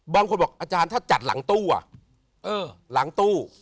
บางคนบอกอาจารย์จัดหลังตู้